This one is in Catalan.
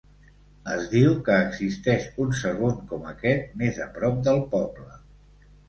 Es diu que existeix un segon com aquest més a prop del poble.